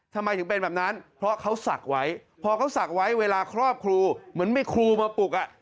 ทำไมถึงเป็นแบบนั้นเพราะเขาศักดิ์ไว้พอเขาศักดิ์ไว้เวลาครอบครูเหมือนมีครูมาปลุกอ่ะ